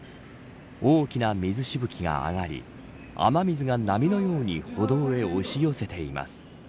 大きな水しぶきが上がり雨水が波のように歩道へ押し寄せています。